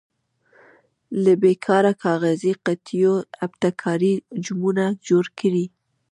له بې کاره کاغذي قطیو ابتکاري حجمونه جوړ کړئ.